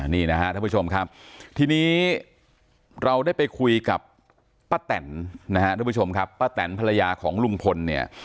นี่นะฮะท่านผู้ชมครับทีนี้เราได้ไปคุยกับป้าแตนนะฮะทุกผู้ชมครับป้าแตนภรรยาของลุงพลเนี่ย